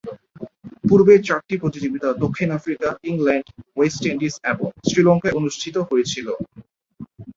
পূর্বের চারটি প্রতিযোগিতা দক্ষিণ আফ্রিকা, ইংল্যান্ড, ওয়েস্ট ইন্ডিজ এবং শ্রীলঙ্কায় অনুষ্ঠিত হয়েছিল।